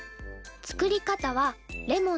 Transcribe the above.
作り方はレモンのか